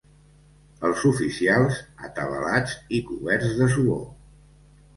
Els oficials, atabalats i coberts de suor